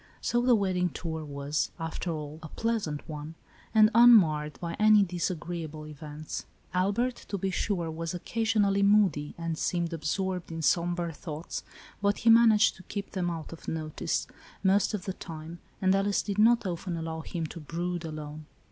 So the wedding tour was, after all, a pleasant one, and unmarred by any disagreeable events. Albert, to be sure, was occasionally moody, and seemed absorbed in sombre thoughts, but he managed to keep them out of notice, most of the time, and Alice did not often allow him to brood alone.